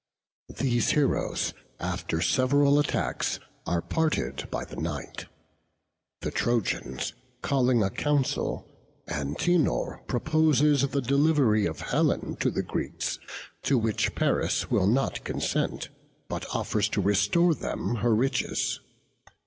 These heroes, after several attacks, are parted by the night. The Trojans calling a council, Antenor proposes the delivery of Helen to the Greeks, to which Paris will not consent, but offers to restore them her riches.